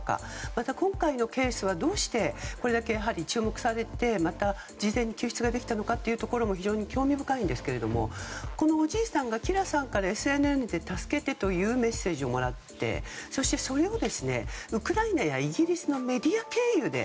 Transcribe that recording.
また、今回のケースはどうして、これだけ注目されてまた事前に救出ができたのかというところも非常に興味深いんですがこのおじいさんがキラさんからＳＮＳで助けてというメッセージをもらってそして、それをウクライナやイギリスのメディア経由で